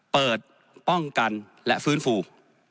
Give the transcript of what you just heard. เปิดป้องกันและฟื้นฟู